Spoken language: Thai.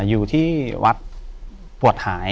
อยู่ที่วัดปวดหาย